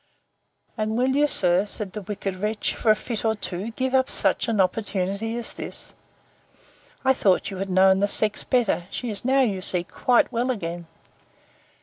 And will you, sir, said the wicked wretch, for a fit or two, give up such an opportunity as this?—I thought you had known the sex better. She is now, you see, quite well again!